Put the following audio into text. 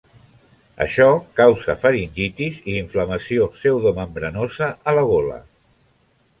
Això causa faringitis i inflamació pseudomembranosa a la gola.